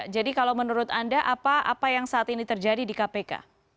jadi kalau menurut anda apa yang saat ini terjadi di kpk